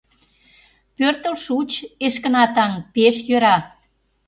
Пӧртыл шуыч, Эшкына таҥ, пеш йӧра.